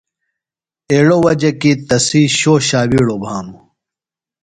ایڑوۡ وجہ کی تسی شو ݜاوِیڑوۡ بھانُوۡ۔